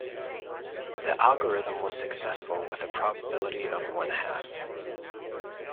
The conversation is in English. The algorithm was successful with a probability of one half.